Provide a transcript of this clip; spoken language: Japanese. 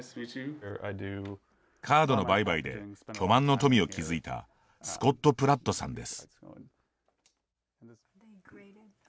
カードの売買で巨万の富を築いたスコット・プラットさんです。